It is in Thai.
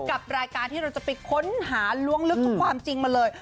กับรายการที่เราจะไปค้นหาล้วงลึกทุกความจริงมาเลย